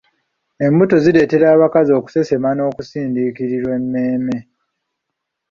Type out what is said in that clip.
Embuto zileetera abakazi okusesema n'okusinduukirirwa emmeeme.